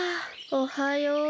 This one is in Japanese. おはよう。